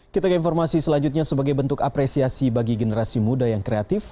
kita ke informasi selanjutnya sebagai bentuk apresiasi bagi generasi muda yang kreatif